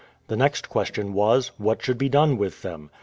The next question was, what should be done with them?